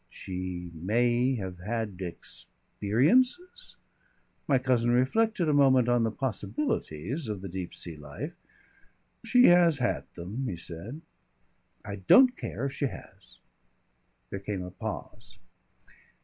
"She may have had experiences?" My cousin reflected a moment on the possibilities of the deep sea life. "She has had them," he said. "I don't care, if she has." There came a pause.